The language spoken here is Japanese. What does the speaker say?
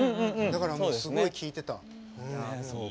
だから、すごい聴いてた。